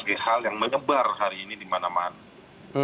jadi ini adalah hal yang menyebar hari ini di mana mana